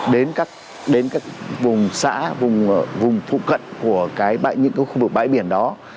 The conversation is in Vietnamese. đến các vùng xã vùng phụ cận của cái khu vực bãi biển đó